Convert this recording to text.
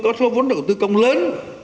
có số vốn đầu tư công lớn